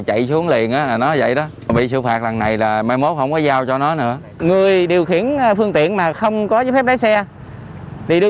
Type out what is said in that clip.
thì đương nhiên là người điều khiển xe mô tô